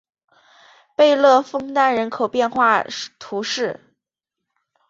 贝勒枫丹人口变化图示